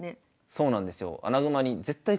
そうなんですよ。